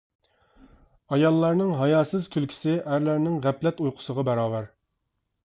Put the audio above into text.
ئاياللارنىڭ ھاياسىز كۈلكىسى ئەرلەرنىڭ غەپلەت ئۇيقۇسىغا باراۋەر.